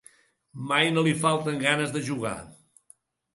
Mai no li falten ganes de jugar.